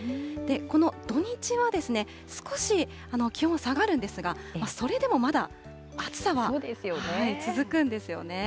この土日は、少し気温下がるんですが、それでもまだ、暑さは続くんですよね。